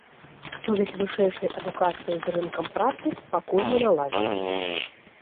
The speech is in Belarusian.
Сувязь вышэйшай адукацыі з рынкам працы пакуль не наладжана.